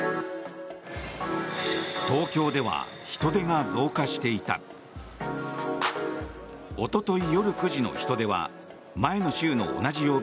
東京では人出が増加していた。